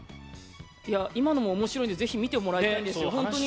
今のもおもしろいんでぜひ見てもらいたいんですよ。